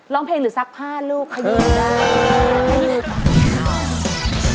ร้องเพลงหรือซักผ้าลูกขยื่นได้